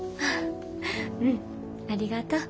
うんありがとう。